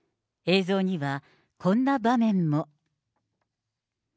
映像にはこんな場面も。